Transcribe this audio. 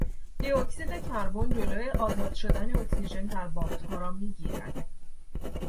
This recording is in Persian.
دی اکسید کربن جلو آزاد شدن اکسیژن در بافتها را میگیرد.